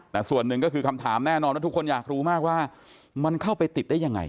แต่ส่วนหนึ่งก็คือคำถามแน่นอนว่าทุกคนอยากรู้มากว่ามันเข้าไปติดได้ยังไง